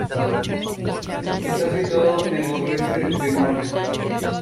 Está situado al sureste de Norden.